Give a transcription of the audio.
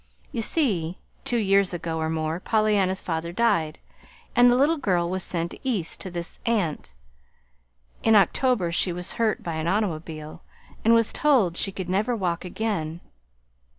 "You see, two years ago, or more, Pollyanna's father died, and the little girl was sent East to this aunt. In October she was hurt by an automobile, and was told she could never walk again.